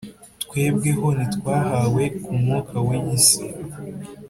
twebweho ntitwahawe ku mwuka w'iyi si,